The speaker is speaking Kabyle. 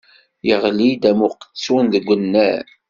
Yeɣli-d am uqettun deg unnar.